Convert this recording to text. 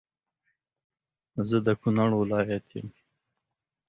زه د کونړ ولایت یم